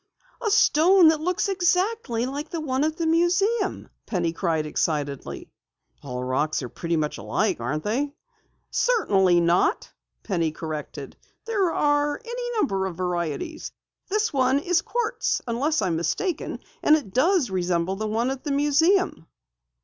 "A stone that looks exactly like the one at the museum!" Penny cried excitedly. "All rocks are pretty much alike, aren't they?" "Certainly not," Penny corrected. "There are any number of varieties. This one is quartz unless I'm mistaken and it does resemble the one at the museum."